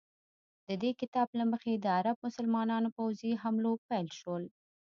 د دې کتاب له مخې د عرب مسلمانانو پوځي حملو پیل شو.